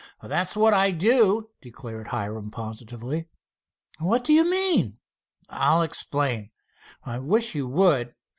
"That's what I do," declared Hiram positively. "What do you mean?" "I'll explain." "I wish you would."